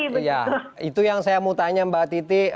iya itu yang saya mau tanya mbak titi